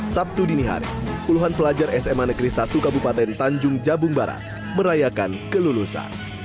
sabtu dini hari puluhan pelajar sma negeri satu kabupaten tanjung jabung barat merayakan kelulusan